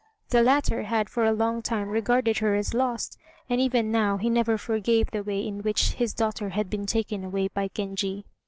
The latter had for a long time regarded her as lost, and even now he never forgave the way in which his daughter had been taken away by Genji.